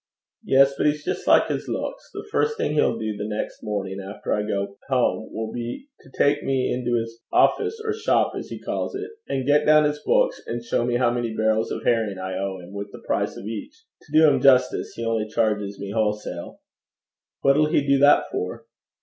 'Yes, but he's just like his looks. The first thing he'll do the next morning after I go home, will be to take me into his office, or shop, as he calls it, and get down his books, and show me how many barrels of herring I owe him, with the price of each. To do him justice, he only charges me wholesale.' 'What'll he do that for?'